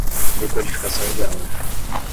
decodificação de áudio